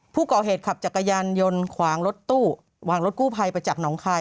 ผู้ก่อเหตุขับจักรยานยนต์ขวางรถตู้วางรถกู้ภัยไปจากหนองคาย